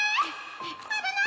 危ない！